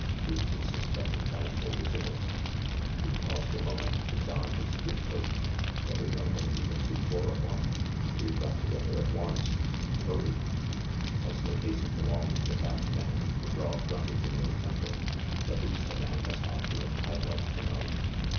Who's to suspect a casual vis itor?" He paused a moment to don his street coat. "Gallino may even be chloroformed. We've got to get there at once. Hurry !" As they hastened along to the cab stand, McGraw grunted in ill temper, "But who's the man that's after it, I'd like to know?"